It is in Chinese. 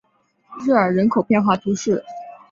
热尔人口变化图示